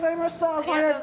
朝早く。